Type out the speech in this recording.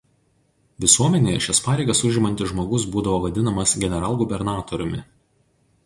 Visuomenėje šias pareigas užimantis žmogus būdavo vadinamas „generalgubernatoriumi“.